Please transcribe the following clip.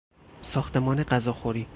ساختمان غذاخوری